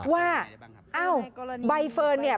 ว่าเอ้าใบเฟิร์นเนี่ย